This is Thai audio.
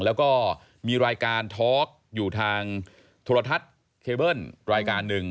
แล้วก็มีรายการทอล์กอยู่ทางโทรทัศน์เคเบิ้ลรายการหนึ่ง